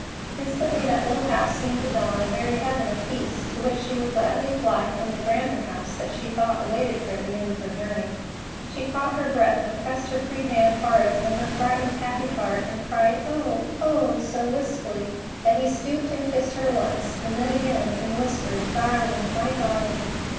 Instantly that little house seemed to Dawn a very heaven of peace, to which she would gladly fly from the grander house that she thought awaited her at the end of her journey. She caught her breath and pressed her free hand hard upon her frightened, happy heart, and cried, "Oh! Oh!" so wistfully that he stooped and kissed her once, and then again, and whispered, "Darling! My darling!"